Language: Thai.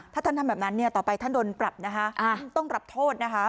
ถ้าท่านทำแบบนั้นเนี่ยต่อไปท่านโดนปรับนะคะต้องรับโทษนะคะ